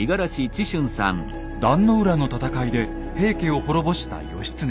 壇の浦の戦いで平家を滅ぼした義経。